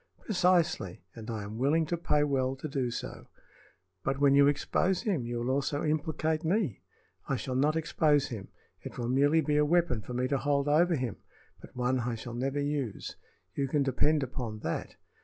"Precisely; and I am willing to pay well to do so." "But when you expose him you will also implicate me." "I shall not expose him. It will merely be a weapon for me to hold over him, but one I shall never use. You can depend upon that.